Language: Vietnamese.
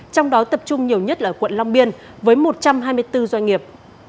trong đó tập trung nhiều nhất ở quận long biên với một trăm hai mươi bốn doanh nghiệp